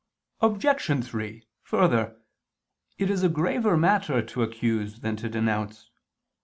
Obj. 3: Further, it is a graver matter to accuse than to denounce.